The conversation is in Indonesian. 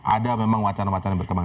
ada memang wacana wacana yang berkembang